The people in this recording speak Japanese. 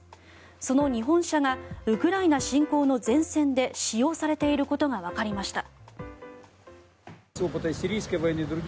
その日本車がウクライナ侵攻の前線で使用されていることがわかりました。